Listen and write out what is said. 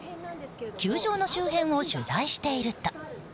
球場の周辺を取材していると。